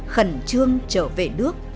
khẩn trương trở về nước